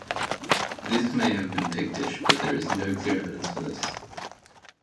This may have been Pictish but there is no clear evidence for this.